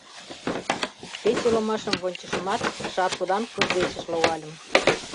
Пече ломашым вончышымат, шаршудан кудывечыш логальым.